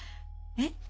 えっ？